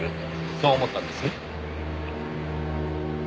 そう思ったんですね？